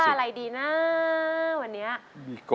แล้วน้องใบบัวร้องได้หรือว่าร้องผิดครับ